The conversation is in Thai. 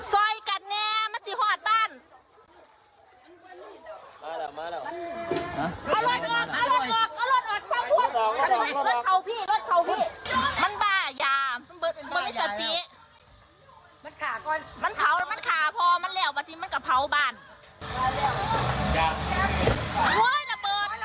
มันเผาแล้วมันฆ่าพ่อมันเหลี่ยวมาทีมันก็เผาบ้าน